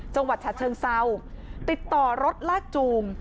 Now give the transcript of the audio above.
จังหวัดฉะเชิงเซาติดต่อรถลากจูง